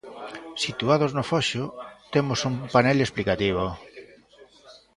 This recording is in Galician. Situados no foxo, temos un panel explicativo.